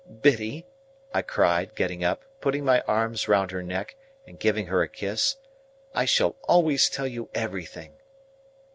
"Biddy," I cried, getting up, putting my arm round her neck, and giving her a kiss, "I shall always tell you everything."